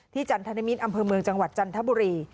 จันทนิมิตรอำเภอเมืองจังหวัดจันทบุรี